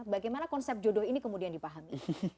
bagaimana konsep jodoh ini kemudian dipahami